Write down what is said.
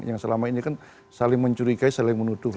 yang selama ini kan saling mencurigai saling menuduh